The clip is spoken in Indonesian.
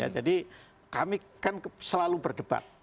jadi kami kan selalu berdebat